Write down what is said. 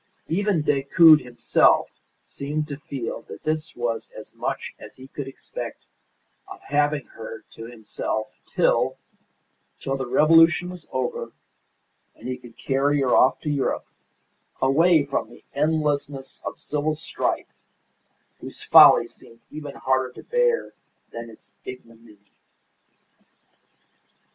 Even Decoud himself seemed to feel that this was as much as he could expect of having her to himself till till the revolution was over and he could carry her off to Europe, away from the endlessness of civil strife, whose folly seemed even harder to bear than its ignominy.